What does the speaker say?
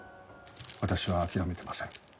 私は諦めてません。